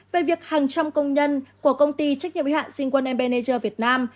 về việc hàng trăm công nhân của công ty trách nhiệm y hạn sinh quân embanager việt nam